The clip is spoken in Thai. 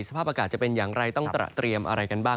สภาพอากาศจะเป็นอย่างไรต้องตระเตรียมอะไรกันบ้าง